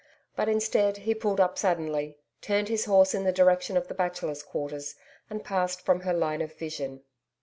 But instead, he pulled up suddenly, turned his horse in the direction of the Bachelors' Quarters, and passed from her line of vision.